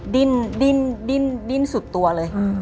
ดิ้นดิ้นดิ้นสุดตัวเลย